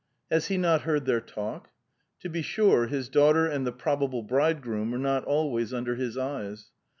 Has he not heard their talk? To be sure, his daughter and the probable bridegroom were uot always under his eyes.